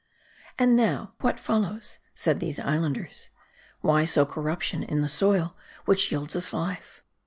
And now, what follows, said these Islanders :" Why sow corruption in the soil which yields us life